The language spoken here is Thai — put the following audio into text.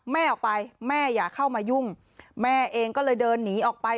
แม่ออกไปแม่อย่าเข้ามายุ่งแม่เองก็เลยเดินหนีออกไป